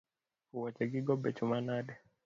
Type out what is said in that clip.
Woche gi go becho manade